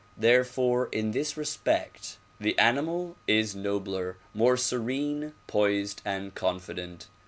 Therefore in this respect the animal is nobler, more serene, poised and confident.